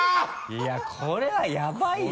いやこれはヤバイよ。